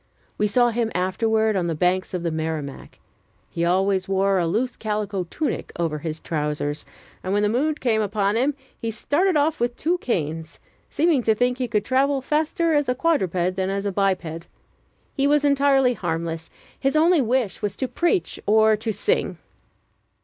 We saw him afterward on the banks of the Merrimack. He always wore a loose calico tunic over his trousers; and, when the mood came upon him, he started off with two canes, seeming to think he could travel faster as a quadruped than as a biped. He was entirely harmless; his only wish was to preach or to sing.